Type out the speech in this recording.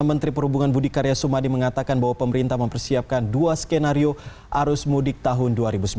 menteri perhubungan budi karya sumadi mengatakan bahwa pemerintah mempersiapkan dua skenario arus mudik tahun dua ribu sembilan belas